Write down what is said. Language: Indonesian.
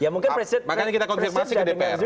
makanya kita konfirmasi ke dpr